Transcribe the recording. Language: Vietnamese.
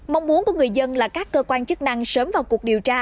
mong muốn của người dân là các cơ quan chức năng sớm vào cuộc điều tra